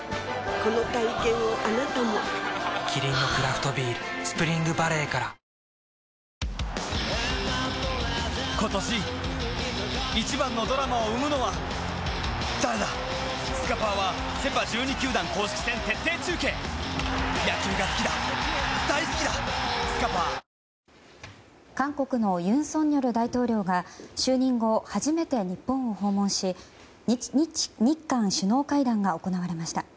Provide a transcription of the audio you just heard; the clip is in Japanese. この体験をあなたもキリンのクラフトビール「スプリングバレー」から韓国の尹錫悦大統領が就任後初めて日本を訪問し日韓首脳会談が行われました。